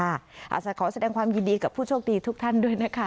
อาจจะขอแสดงความยินดีกับผู้โชคดีทุกท่านด้วยนะคะ